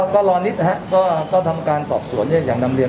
ก็รอนิดนะครับก็ทำการสอบสวนอย่างนำเรียน